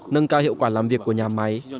nâng cao hiệu quả làm việc của nhà máy